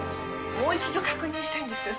もう一度確認したいんです。